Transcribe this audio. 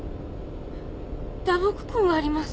打撲痕があります。